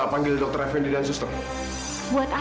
patidin selalu kebutuhan